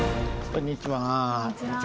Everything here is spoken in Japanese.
こんにちは。